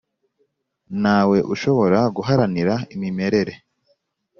Ntawe ushobora guharanira imimerere